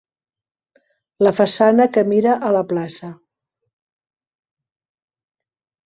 La façana que mira a la plaça.